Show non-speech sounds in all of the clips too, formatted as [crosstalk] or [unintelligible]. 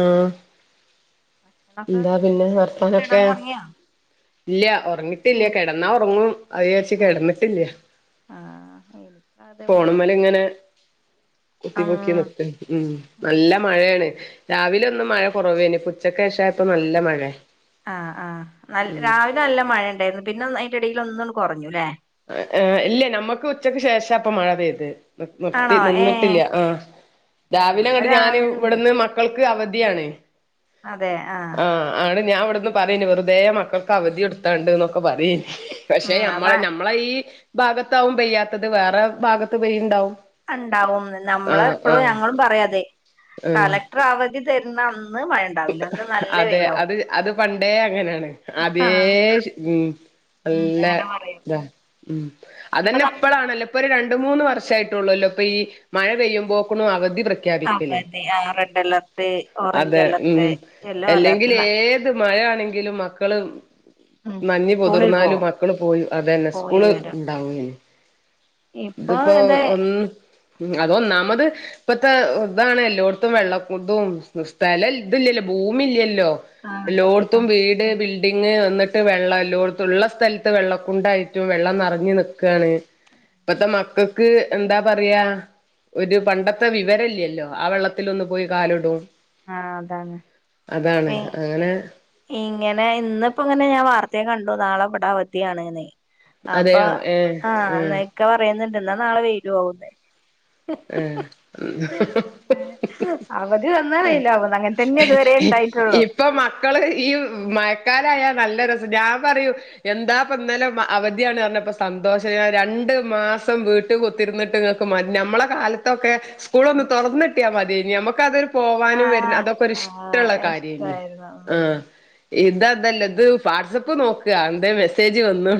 ആഹ് ങ്ങളൊക്കെ എന്താ പിന്നെ വർത്താനൊക്കേ? കിടന്നുറങ്ങിയോ ഇല്ല്യ ഒറങ്ങിട്ടില്ല, ഉം കെടന്നാ ഒറങ്ങും. അത്ചാര്ച്ച് ആഹ് കെടന്നിട്ടില്ല്യ, ആഹ് എനിക്ക് അതേപോലെ ഫോൺമ്മല്ങ്ങനെ ഉം കുത്തിപൊക്കി നിക്കും. ഉം ഉം നല്ല മഴേണ്. രാവിലെ ഒന്ന് മഴ കൊറവേനി, ഇപ്പൊച്ചക്കേശ ഇപ്പം നല്ല മഴെ ആഹ് ആഹ്. നൽ രാവിലെ നല്ല മഴ ഇണ്ടായിര്ന്ന്. പിന്നൊന്ന് അയിന്റെ എടേല് ഒന്നണ് കൂ കൊറഞ്ഞു, ലെ? ഇല്ലേ നമ്മക്ക് ഉച്ചക്ക് ശേഷാപ്പം മഴ പെയ്തെ നിർത്തി, ആണോ ഏഹ് നിന്നിട്ടില്ല ആഹ്. ഏഹ് ഇവിടെ രാവിലെങ്ങട്ട് ഞാന് രാവിലെണ്ട് ഇവിട്ന്ന് മക്കൾ [unintelligible] അവധിയാണ്. ആഹ്, ആണ് ഞാൻവ [unintelligible] പറ്യേനി. വെറുതേ മക്കൾക്കവധി കൊട്ത്താണ്ട്ന്നൊക്കെ പറ്യേനി. പക്ഷെ ഉം അതാ നമ്മളെ നം ഈ ഭാഗത്താവും പെയ്യാത്തത്, വേറെ ഭാഗത്ത് പെയ്യ്ണ്ടാവും. അണ്ടാവും, നമ്മള് എപ്പളും ഞങ്ങളും പറയത്, ആഹ് കളക്ടറ് അവധി തര്ണം അതെ അത് അത് പണ്ടേ അങ്ങനേണ്. ആദ്യേ ആഹ് ഉം ഉം നല്ല അങ്ങനെ പറയും താ. ഉം ഇപ്പൊ അതെന്നെ ന ഇപ്പളാണല്ലൊ ഇപ്പൊരു രണ്ട് രണ്ട് മൂന്ന് വർഷായിട്ടൊള്ളല്ലോ, ഇപ്പൊ ഈ മഴ പെയ്യുമ്പോക്ക്ണു അവധി പ്രഖ്യാപിക്കല് അതെന്നെ ആഹ്, റെഡ്ഡലർട്ട് അതെ ഓറഞ്ചലർ ഉം, എല്ലെങ്കിലേത് മഴയാണെങ്കിലും മക്കള് ഉം നഞ്ഞ് സ്കൂളിൽ പൊത്ർന്നാലും പോവും മക്കള് പോയി, അതന്നെ പോയി സ്കൂള് വരും ഇണ്ടാവും ഇന് ഇപ്പൊ ഇത്പ്പോ ഇത് ഒന്ന് ഉം അതൊന്നാമത് ഇപ്പത്തെ താണ്, എല്ലോട്ത്തും വെള്ള കുതും സ്ഥലൽ ത് ല്ലല്ലോ, ഭൂമി ഇല്ലൽ എല്ലാ ആണല്ലോക്കെട്ടോ ലോത്തും വീട് ബിൽഡിംഗ് ന്നിട്ട് വെള്ളംല്ലോത്തുള്ള സ്ഥലത്ത് വെള്ളക്കൊണ്ടായിട്ടും വെള്ളം നിറഞ്ഞു നിക്കണ ഇപ്പത്തെ മക്കൾക്ക് എന്താ പറയാ ഒരു പണ്ടത്തെ വിവരല്ലല്ലോ ആ വെള്ളത്തി ഒന്ന് പോയി കാലിടും ആഹ അതാണ് അങ്ങനെ ഇങ്ങനെ ഇന്നപ്പോ ഇങ്ങനെ ഞാൻ വർത്ത ത്തെ കണ്ടു നാളെ ഇവിടെ അവധി ആണ് എന്ന് അപ്പൊ അതെയോ ഏ ആഹ ഏ എന്നൊക്കെ പറയുന്നുണ്ട് എന്നാ നാളെ വരോ എന്ന് ഏ അവധി വന്നാ അ വെയിലാവുന്ന് അങ്ങനെ തന്നെ ഇതുവരെ ഉണ്ടായിട്ടുള്ളൂ ഇപ്പൊ മക്കള് ഈ മഴക്കാലായ നല്ല രസം ഞാൻ പറയും എന്താപ്പ ഇന്നലെ അവധിയാണ് അർഞ്ഞപ്പം സന്തോഷം രണ്ട് മാസം വീട്ട് കുത്തി ര്ന്ന്ട്ട് ങ്ങക്ക് മ നമ്മളെ കാലത്തൊക്കെ സ്കൂൾ ഒന്ന് തൊർന്ന്ട്ടിയാ മതി. നി നമ്മക്കതൊരു പോവാനും വരുന്ന ആഹ് അതൊക്കെ ഒരു ഇഷ്ടള്ള ആഹ് കാര്യന് ഇഷ്ടായിരുന്നു ആ ഇതതല്ല. ഇത് വാട്സപ്പ് നോക്ക എന്തെ മെസ്സേജ് വന്ന്ണോ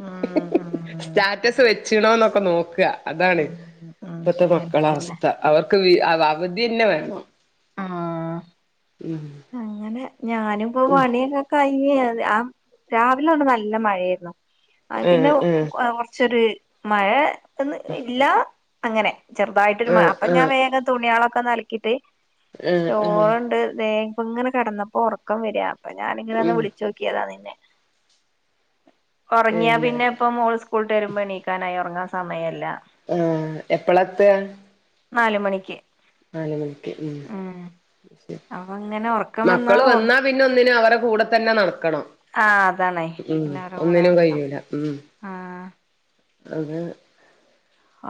ഉം ഉം ഉം സ്റ്റാറ്റസ് വെച്ചണോന്നൊക്കെ ഒക്കെ നോക്കുക അതാണ് ഉം ഉം ഉം ഇപ്പത്തെ അങ്ങനെ തന്നെ മക്കളാവസ്ഥ അവർക്ക് ആ അവധി തന്നെ വേണം ആ ഉം ഞാനും ഇപ്പോപണിയൊക്കെ ഇ ആ രാവിലെ കൊണ്ട് നല്ല മഴായിരുന്നു അ ആഹ് പിന്നെ ആഹ് കുറച്ചൊരു മഴ എന്ന് ഇല്ല അങ്ങനെ ചെറുതായിട്ട് ആഹ് അപ്പൊ ഞാൻ ആഹ് വേഗം തുണികളൊക്കെ കിട്ട് ആഹ് ആഹ് ചോറണ്ട് ഇങ്ങനെ കിടന്നപ്പോ ഉറക്കം വരിക അപ്പ ഞാനങ്ങനെ ഒന്ന് ഉം വിളിച്ച നോക്കിയതാ നിന്നെ ഉറങ്ങിയാ പിന്നെ ഇപ്പ മോ സ്കൂൾ വിട്ട് വരുമ്പോൾ എണ്ണീക്കാനായി ഉറങ്ങാൻ സമയല്ല ആ എപ്പളത്തെയ നാല് മണിക്ക് നാല് മണിക്ക് ഉം ശരി അപ്പൊ അങ്ങനെ ഉറക്കം മക്കള് വന്നാ പിന്നെ ഒന്നിനും അവരെ കൂടെ തന്നെ നടക്കണം ആ അതാണേ ഉം പിന്നെ അവരുടെ കൂടെ ഒന്നിനും നടക്കണം കഴിയൂല ഉം ആ അതെ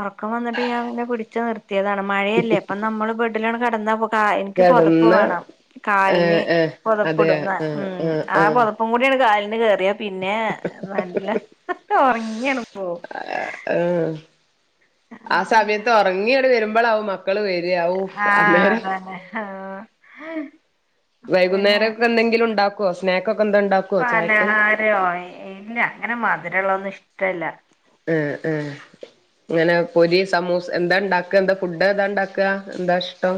ഒറക്കം വന്നിട്ട് ഞാൻ ഇങ്ങനെ പിടിച്ച് നിർത്തിയതാണ് മഴയല്ലേ പ്പം നമ്മള് വല്ലോം കിടന്ന പോ ആ എനിക്ക് പുതപ്പ് കെടന്ന വേണം കാലിന് ഏഹ് ഏഹ് പുതപ്പ് അതെ ഇടുന്ന ആഹ് ഉം ആഹ് ആ ആഹ് പുതപ്പും കൂടിയാണ് കാലി [unintelligible] റിയ പിന്നെ നല്ല ഉറങ്ങിയാണ് പോ [unintelligible] ആ സമയത്ത് ഉറങ്ങിയങ്ങട് വരുമ്പോ ബളാവും മ മക്കള് വരാ ഔ ആഹ് അന്നേരം അതന്നെ [unintelligible] പിന്നെ വൈകുന്നേരം ഒക്കെ എന്തെങ്കിലും ഉണ്ട ക്കുവോ സ്നാക്കൊ പലഹാരോ ഇല്ല അങ്ങനെ മ അങ്ങനെയുള്ള ഒന്നും ഇഷ്ടല്ല ഏ ഏ അങ്ങനെ പൊരി സമൂസ് എന്താ ഇണ്ടാക്കാ എന്താ ഫുഡ് എതാ ഉണ്ടാക്കാ എന്താ ഇഷ്ടം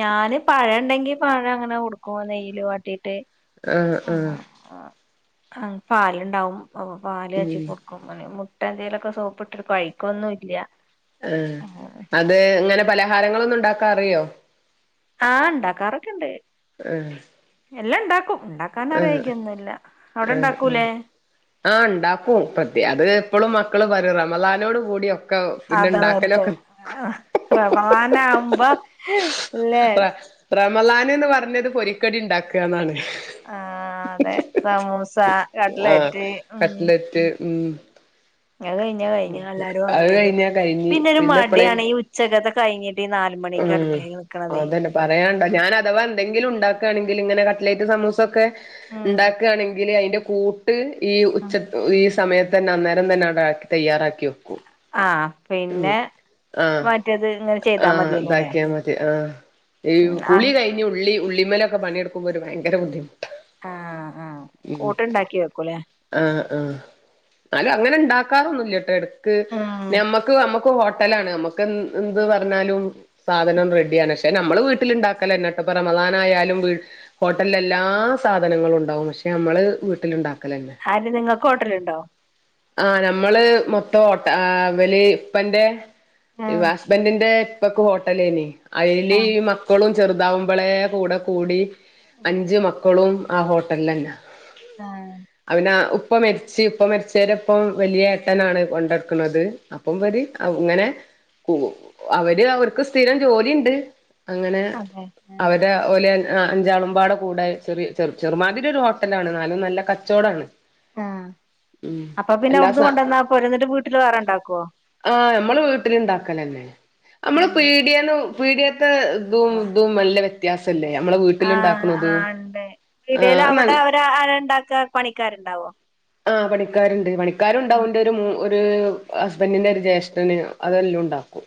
ഞാന് പഴം ഉണ്ടെങ്കി പഴം അങ്ങനെ കൊടുക്കും നെയ്യില് വാട്ടീട്ട് ആഹ് ആ ആഹ് പാല്ണ്ടാവും അപ്പ പാല് ഉം കാച്ചി കൊടുക്കും അല്ലെ മു മുട്ട എന്തെലൊക്കെ സോപ്പ് ഇട്ട് കഴിക്കൊന്നും ഇല്ല ആ അത് ങ്ങനെ പലഹാരങ്ങള് ഒന്നും ഉണ്ടാക്കാറിയോ ആ ഉണ്ടാക്കാറൊക്കെ ഉണ്ട് ആ എല്ലാം ഉണ്ടാക്കും ഉണ്ടാക്കാൻ ആ അറിയായികയൊന്നുമില്ല അവിടെ ആ ഉ ഉണ്ടാക്കൂലേ ആ ഉണ്ടാക്കും പത് അത് പ്പളും മക്കള് വരും റമളാനോട് കൂടിയൊ അത [unintelligible] റമാളാനാഉമ്പോ റ റം മളാന് ന്ന് പർഞ്ഞത് പൊരിക്കടി ണ്ടാക്ക ന്നാണ്. ആ അതെ സമൂസാ ആ കട്ട്ലറ്റ് ഉം ഞത് കഴിഞ്ഞ കഴിഞ് എല്ലാരു അത് [unintelligible] കഴിഞ്ഞാ കഴിഞ്ഞ് പിന്നെരു പിന്നെ എപ്പളേ മടിയാണ് ഈ ഉച്ചകത്തെ കഴിഞ്ഞ് ഉം അതന്നെ പറയേണ്ട. ഞാൻ അഥവാ ന്തെങ്കിലും ണ്ടാ ക്കാ ണെങ്കിൽ ങ്ങനെ കട്ട്ലേറ്റ് സമൂസൊക്കെ ഉം ണ്ടാക്കാണെങ്കില് അയിന്റെ കൂട്ട് ഈ ഉച്ച ഈ സമയത്തെന്നെ അന്നേരം തന്നെ അവിടെ ആക്കി തയ്യാറാക്കിവക് ആ പിന്നെ ആഹ് മറ്റേത് ങ്ങനെ ചെയ്താ ആഹ് മതിയ ഇതാക്കിയാ മതി ആ ഈ കുളി ആഹ് കഴിഞ്ഞു ഉള്ളി ഉള്ളി മേലൊക്കെ പണിയെടുക്കുമ്പോരു ഭയര ബുദ്ധി ആ ആ കൂട്ടുണ്ടാക്കി വെക്കൂല്ലേ ആ ന്നാലും അങ്ങനെ ണ്ടാക്കാറൊന്നുല്ല്യട്ടോ എടു ക്ക്‌ ഉം നമ്മക്ക് നമ്മ പോ ഹോട്ടലാണ് നമക്ക് എ എന്ത് പറഞ്ഞാലും സാധനം റെഡിയാണ് പക്ഷെ നമ്മള് വീട്ടിലുണ്ടാക്കല് ന്നെട്ടോ പ്പം റമളാനയാലും ഹോട്ടൽ എല്ലാ സാധനങ്ങളും ഇണ്ടാവും പക്ഷെ നമ്മള് വീട്ടിലുണ്ടാക്കും ആര് നിങ്ങക്ക് ഹോട്ടലുണ്ടോ ആ നമ്മള് മൊത്തം ഹോട്ട ആ വലി ഇപ്പന്റെ ഉം ഹസ്ബന്റിന്റെ പ്പക് ഹോ ട്ടലെനി അയിൽ ആഹ് ഈ മക്കളും ചെറുതാവുമ്പോളെ കൂടെ കൂടി അഞ്ച് മക്കളും ആ ഹോട്ടൽ ലന്നെ ആഹ് അവിന ഉ ഉപ്പ മരിച്ച് ഇപ്പ മരിച്ചവരെപ്പം വല്ല്യ ഏട്ടനാണ് കൊണ്ടടുക്കുന്നത് അപ്പം അവര് ഇങ്ങനെ അവര് അവർക്ക് സ്ഥിരം ജോലിണ്ട്. അങ്ങനെ അതെ അവരെ ഓല് [unintelligible] ആ അഞ്ചാളുംമ്പാട കൂടെ ചെറിയ ചെറ ചെറുമാതിരി രു ഹോട്ടലാണ് നാലും നല്ല കച്ചോടാണ്. ആ ഉം അപപ്പോ പിന്നെ എല്ലാ അവിടുന്ന് സ കൊണ്ടുവന്നാ പോരേ എന്നിട്ട് വീട്ടില് വേറെണ്ടാക്കുവോ? ആഹ് നമ്മള് ടിയേന്നും പീടിയേന്നും [unintelligible] ആഹ് ആ ണ്ട് ഇതില് ആഹ് അവ്ടെ നല്ല അവര് ആരാണ്ടാ ക്ക പണിക്കാര്ണ്ടാവോ ആ പണിക്കാര്ണ്ട് പണി ക്കാരുണ്ടാവും ന്റെരു മൂ ഒരു ഹസ്ബന്റിന്റെറരു ജേഷ്ഠന് അതെല്ലുണ്ടാക്കും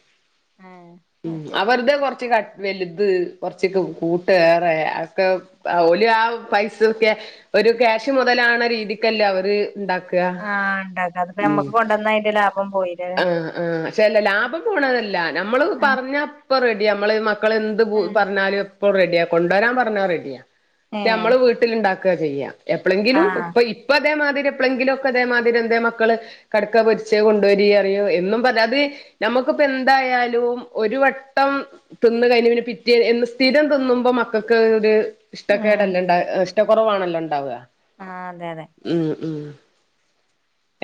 ആഹ് ഉം അത് ശരി അവര്തെ കൊറച്ച് ക വെല്ത് കൊറ്ച്ചക്കെ കൂട്ടേറെ ഒക്കെ ആ ഓല് വേവ് പൈസൊക്കെ ഒരു ക്യാഷ് മുതലാണ രീതിക്കല്ല അവര് [unintelligible] ഇണ്ടാക്ക ആഹ് ഉണ്ടാക്കാം അതിപ്പോ ഉം നമ്മക്ക് കൊണ്ടുവന്നാ അതിന്റെ ലാഭം പോയില്ലേ ആ ആ ക്ഷേ ല്ല ലാഭം പോണതല്ല നമ്മള് ഏഹ് പറ്ഞ്ഞ ഇപ്പ റെഡിയാ അമ്മള് മ ക്കള് എന്ത്പ്പൂ പറഞ്ഞാല് ഇപ്പോൾ റെഡിയാ കൊണ്ടോരാൻ പറഞ്ഞാ റെഡിയാ ക്ഷെ ഏഹ് നമ്മള് വീട്ടില്ണ്ടാ ക്കെ ചെയ്യാ എപ്പളങ്കിലും ആഹ് ഇപ്പ ഇപ്പത് തേമാതിരി എപ്പളങ്കിലും ഒക്കെ തേമാതിരി എന്തേ മക്കള് കട്ക്കപൊരിച്ചെ കൊണ്ടരീ അറിയും എന്നും പരാതി നമ്മക്ക്പ്പന്തായാലും ഒരു വട്ടം തിന്ന് കഴിഞ്ഞതിന് പിറ്റേ എന്ന് സ്ഥിരം തിന്നുമ്പോ മക്കക്കോര് ഉം ഇഷ്ടക്കേടല്ലെ ഇണ്ടാ ഏ ഷ് റ്റ കൊറവാണല്ലോ ഇണ്ടാവാ ആഹ് അതെ അതെ ഉം ഉം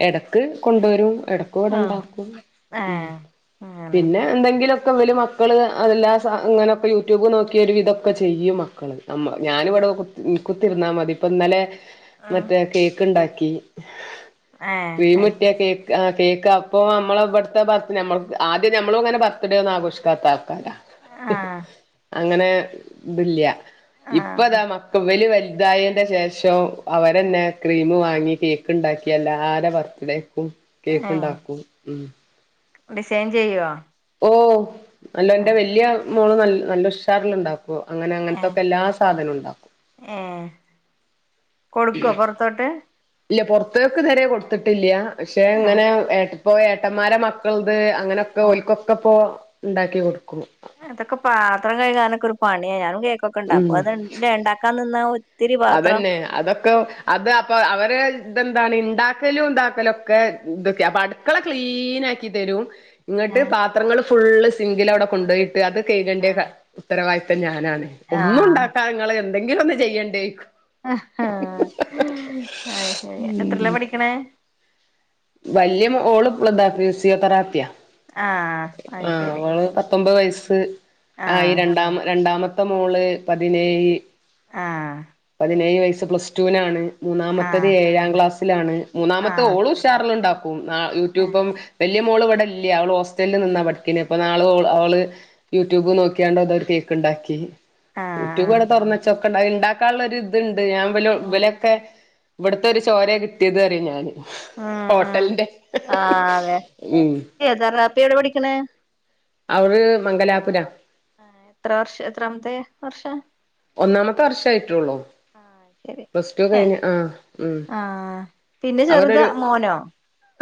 എടക്ക് കൊണ്ടോരും എടക്ക്വ്ടെ ആഹ് ഇണ്ടാക്കും ഉം ഏഹ് അങ്ങനെ പിന്നെ എന്തെങ്കിലൊ [unintelligible] മക്കള് അതെല്ലാ സാ ഇങ്ങനൊക്കെ യൂട്യൂബ് നോക്കി ഒരുവിധൊക്കെ ചെയ്യും മക്കള് അമ്മ ഞാന്വ്ടെ കു കുത്തിര്ന്നാൽ മതി ഇപ്പന്നലെ ആ കേക്ക് ഇണ്ടാക്കി ഏഹ് അത് ശരി ക്രീമ്ട്ടിയാ കേക്ക് ആ കേ ക്കപ്പൊ മ്മളെ ഇവിട്ത്തെ ബർത്ത് നമ്മള്ത് ആദ്യം നമ്മളുങ്ങനെ ബർത്ത്ഡേ ഒന്നും ആഘോഷിക്കാത്ത ആള പല ആഹ് അങ്ങനെതില്ല ഇപ്പതാ ആഹ് മക്കള് ഇവല് വല് തായേന്റെ ശേഷം ആ തന്നെ ക്രീമു- വാങ്ങി കേക്ക് ഉണ്ടാക്കിയല്ല ആരെ ബർത്ത്ഡേ കേക്ക് ഏഹ് ഉണ്ടാക്കും ഉം ഡിസൈൻ ചെയ്യുവ ഓഹ് അല്ല എന്റെ വല്യയ മോള് നല്ല നല്ല ഉഷാറിലുണ്ടകും അങ്ങനെ ഏഹ് അങ്ങനത്തൊക്കെ എല്ലാ സാധനവും ഉണ്ടാക്കും ഏഹ് കൊടുക്കോ പൊറത്തോട്ട് ഇല്ല പുറത്തേക്ക് ഇതുവരെ കൊടുത്തിട്ടില്ല പക്ഷെ ആ ഇങ്ങനെ ഏട്ട പോയേട്ടന്മാരെ മക്കൾ അ അങ്ങനെയൊക്കെ ആ ഒക്കൊക്കെ പോ ഉണ്ടാക്കി കൊടുക്കും അതൊക്കെ പാത്രം കഴകാനൊക്ക ഒരു പണിയ ഞാനും കേ ഉം ക്കക്കഉണ്ടാക്കും അത് ഉണ്ടാക്കാൻ നിന്ന അതന്നെ അതൊക്കെ അത് അപ്പൊ അവരെ ഇതെന്താണ് ഉണ്ടാക്കലും ഇതാക്കലും ഒക്കെ ഇതൊക്കെ അപ്പൊ അടുക്കള ക്ലീൻ ആക്കി തരും ഇങ്ങട്ട് ഏഹ് പാത്രങ്ങള് ഫുള്ള് സിങ്കിൽ അവിടെ കൊുണ്ടു പോയി അത് കഴുകണ്ട ഉത്തരവാദ- [inaudible] ഒന്നും ഉണ്ടാക്കാനെ ഇങ്ങള് എന്തെങ്കിലും ഒന്ന് ചെയ്യണ്ടേ അ ശരി എത്രയിലാ പഠിക്കണേ വല്യ ഓളപ്പതാ ഫിസിയോത്തറാപ്പിയാ ആഹ് ആ അത് ശരി അവള് പത്തൊമ്പത് വയസ്റ്റ് സ് ആ ഈ ആഹ് രണ്ടാമ രണ്ടാമത്തെ ത്തമോള് പതിനേഴ് ആഹ് പതിനേഴ് വയസ്സാ പ പ്ലസ്റ്റുവിനാണ് മൂന്നാമത്തത് ആഹ് ഏഴാം ക്ലാസ്സിലാണ് മൂന്നാമത്തെ ആഹ് ഓള് ഉഷാറിലുണ്ടാവും ആ ആഹ് യൂട്യൂബും വലിയ മോളിവിടില്ല്യ അവൾ ഹോസ് ഹോസ്റ്റലിൽ നിന്നാ പഠിക്കണ് അപ്പോ നാളെ ഓള് അവള് യൂട്യൂബ് നോക്കിയാണ്ട് അതൊരു കേക്ക് ഇണ്ടാക്കി. ഊട്ടി ആഹ് കൂടെ തുറന്നച്ചാ ഇണ്ടാക്കാനുള്ള ഒരു ഇത് ഞാൻ ഇവ ഉം ഇവലെയൊക്കെ ഇവിടത്തെ ഒരു ചോരേ കിട്ടിയത് പറയും ഞാന് ഉം ഹോട്ടലിന്റെ ഉം കുട്ടി എവിടെ പഠിക്കണേ? അവൾ മംഗലാപുരം. ആ എത്ര വർഷം എത്രാമത്തെ വർഷാ? ഒന്നാമത്തെ വർഷേ ആയിട്ടുള്ളു. ആഹ് ശരി ഏ ഉം ആഹ് പിന്നെ ചെറുത് അവരൊരു മോനോ?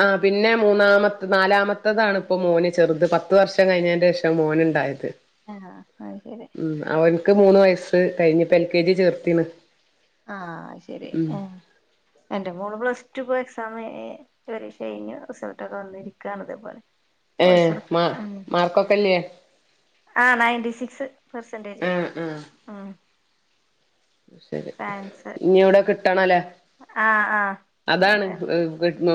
ആ പിന്നെ മൂന്നാമത്തെ നാലാമത്തതാണ് ഇപ്പോ മോന് ചെറുത് പത്ത് വർഷം കഴിഞ്ഞതിന്റെ ശേഷാ മോൻ ഉണ്ടായത്. ആഹ് അയ്ശെരി. ക്ക് മൂന്ന് വയസ് കഴിഞ്ഞപ്പോ എൽ കെ ജി ചേർത്തീണ്. ആ അയ്ശെരി ഏ എന്റെ മോള് പ്ലസ് റ്റു പ്പെക്സ് സാമായി പരീക്ഷ കഴിഞ്ഞു റിസൾട്ടൊക്കെ വന്നിരിക്കാണ് ഇതേപോലെ ഏ പൈസ മാ കൊട്ക്കാം ഉം മാർക്കൊക്കെല്ലേ ആ നയന്റിസിക്സ് പേസെന്റേജ് ആ ശരി ഇനി യൊവ്ടെ കിട്ടണല്ലേ ആഹ് ആഹ് അതാണ് മോനെ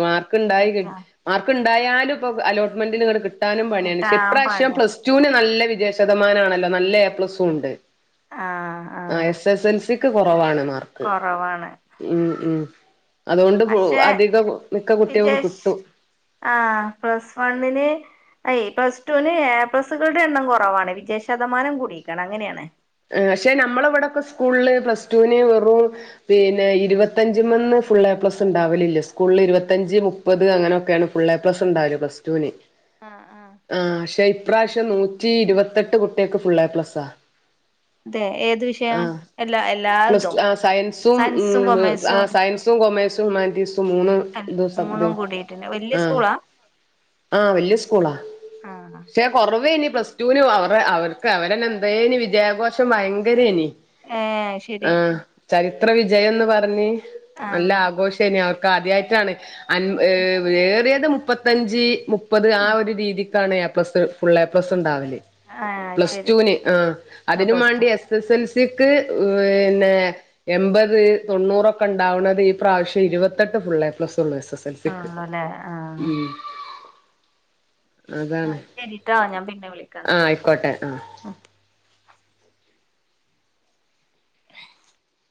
മാർക്ക്ണ്ടായി കിട്ടാ മാർക്ക് ണ്ടായാലും പ്പൊ അലോട്ട്മെന്റിന് ഇങ്ങട് ക് കിട്ടാനും പണിയാണ് ക്ഷെ കിട്ടാൻ ഇപ്രാവശ്യം പണിയാ പ്ലസ്ടൂന് നല്ലെ വിജയശതമാനാണല്ലോ നല്ല എപ്ലസുണ്ട് ആ ആ എസെൽസിക്ക് കൊറവാണ് മാർക്ക് ഉം ഉം അതുകൊണ്ട് പക്ഷെ അധികം മിക്ക കുട്ടികൾക്കും വിജയശ് കിട്ടും ആ പ്ലസ് വണ്ണിന് അയ് പ്ലസ്ടുവിന് ഏ പ്ലസ്കൾടെ എണ്ണം കൊറവാണ് വിജയ ശതമാനം കൂടിക്കാണ് അങ്ങനെയാണ് എ പക്ഷെ നമ്മളെവടക്കെ സ്കൂൾല് പ്ലസ് റ്റൂന് വെറും പിന്നെ ഇര്പത്തഞ്ച്മ്മെന്ന് ഫുള്ളെപ്ലസ്ണ്ടാവലില്ല സ്കൂൾല് ഇര്പത്തഞ്ച് മുപ്പത് അങ്ങനാെക്കേണ് ഫുള്ളെപ്ലസ്ണ്ടാവല് പ്ലസ് റ്റൂന് ആഹ് ആഹ് ആ ശെ ഇ പ്രാശ്യം നൂറ്റി ഇരുപത്തെട്ട് കുട്ട്യേക്ക് ഫുള്ളെപ്ലസ്സാ അതെ ഏത് വിഷയം ആ എല്ലാ പ്ലസ് എല്ലാതും റ്റൂ ആ സയൻസും ആ സയൻസും കൊമേഴ്സ് ഹ്യുമാൻറ്റീസും മൂന്ന് അല്ല തും സ മൂന്നും തും കൂടിയിട്ടുണ്ട് വല്യ ആ സ്കൂളാ ആ വെല്യ സ്‌കൂളാ ആഹ് ശെ കൊറവേനി പ്ലസ്റ്റൂവിന് വ അവരെ അവർക്ക് അവരന്നെ എന്തേല് വിദ്യാപോ ക്ഷെ ഭയങ്കരേലി ഏയ് ശെരി ത്ര വിജയന്ന് പറഞ്ഞ് നല്ല ആഘോഷേനി ആ ക്കാദ്യായിട്ടാണ് അൻ ഏ ഏറിയത് മുപ്പത്തഞ്ചി മുപ്പത് ആ ഒരു രീതി താണ് A plus full A plus ഉണ്ടാവല് ആഹ് ശരി പ്ലസ്ടൂന് ആഹ് ആ അതിനും പ്ലസ് ടു മാണ്ടി എസ് എസ് എൽസിക്ക് വീന്നേ എമ്പത് തൊണ്ണൂറൊക്കണ്ടാവ്ണത് ഈ പ്രാവശ്യ ഇരുപത്തെട്ട് ഫുള്ളേപ്ലസ് തൊള്ള് എസ് എസ് എൽ സി ക്ക് ആണല്ലോല്ലേ ഉം ആ അതാണ് ശെരിട്ടോ ഞാ പിന്നെ വിളിക്കാന്ന് ആഹ് ആയിക്കോട്ടെ ആഹ് ഉം [inaudible]